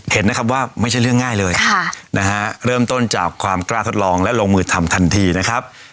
เห็นนะครับว่าไม่ใช่เรื่องง่ายเลยนะฮะเริ่มต้นจากความกล้าทดลองและลงมือทำทันทีนะครับ